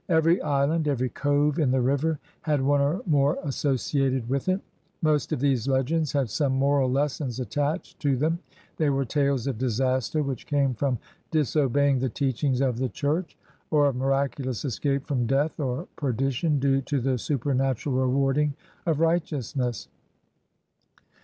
Every island, every cove in the river, had one or more associated with it. Most of these legends had some moral lessons attached to them: they were tales of disaster which came from disobeying the teachings of the Church or of mira culous escape from death or perdition due to the supernatural rewarding of righteousness.